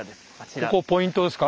ここポイントですか？